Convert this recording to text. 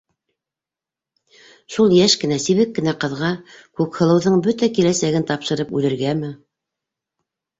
Шул йәш кенә, сибек кенә ҡыҙға Күкһылыуҙың бөтә киләсәген тапшырып үлергәме?